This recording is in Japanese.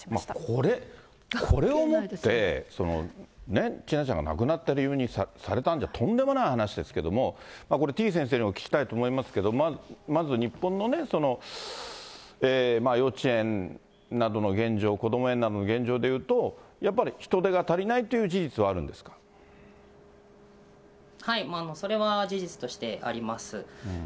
これ、これをもって、千奈ちゃんが亡くなった理由にされたんじゃ、とんでもない話ですけれども、これ、てぃ先生にお聞きしたいと思いますけども、まず日本のね、幼稚園などの現状、こども園などの現状でいうと、やっぱり人手が足りないという事実もうそれは事実としてあります。